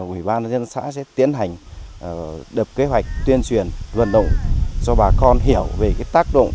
ủy ban dân xã sẽ tiến hành đập kế hoạch tuyên truyền vận động cho bà con hiểu về tác động